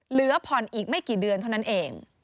เหลือผ่อนอีกไม่กี่เดือนเท่านั้นเอง